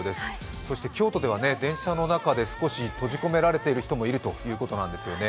そして京都では電車の中で少し閉じ込められている人もいるということなんですよね。